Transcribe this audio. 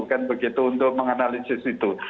kan begitu untuk menganalisis itu